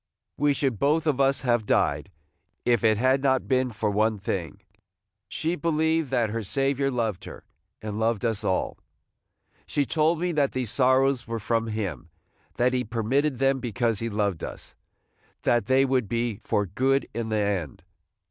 We should both of us have died, if it had not been for one thing: she believed that her Saviour loved her, and loved us all. She told me that these sorrows were from him, – that he permitted them because he loved us, – that they would be for good in the end.